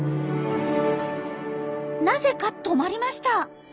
なぜか止まりました。